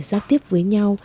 giao tiếp với nhau